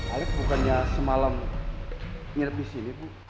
alec bukannya semalam ngirep di sini bu